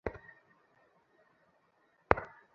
প্রথম হইতেই স্বামীজীকে বাল্যবিবাহের উপর ভারি চটা দেখিয়াছি।